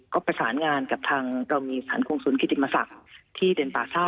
ก็ประสานงานกับทางเรามีสารกงศูนย์กิติมศักดิ์ที่เดนป่าซ่า